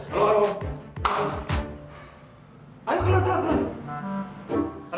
ayo keluar keluar keluar